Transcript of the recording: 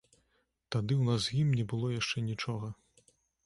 Тады ў нас з ім не было яшчэ нічога.